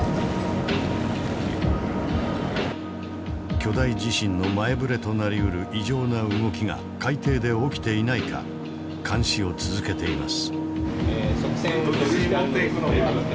巨大地震の前触れとなりうる異常な動きが海底で起きていないか監視を続けています。